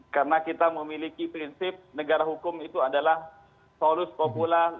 karena kita memiliki prinsip negara hukum itu adalah solus populer